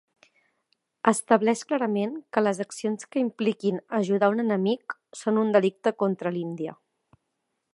Estableix clarament que les accions que impliquin ajudar un enemic són un delicte contra l'Índia.